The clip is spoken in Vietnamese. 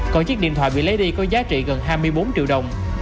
còn chiếc điện thoại bị lấy đi có giá trị gần hai mươi bốn triệu đồng